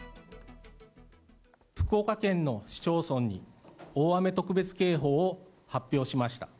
福岡県の市町村に、大雨特別警報を発表しました。